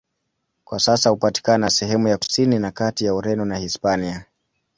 Kwa sasa hupatikana sehemu ya kusini na kati ya Ureno na Hispania.